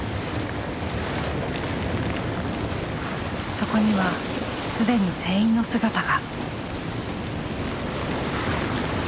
そこには既に全員の姿が。